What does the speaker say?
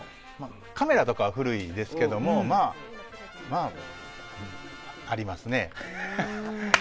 カメラとかは古いんですけどもまあ、ありますね。